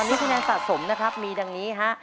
นี่คะแนนสะสมนะครับมีดังนี้ฮะ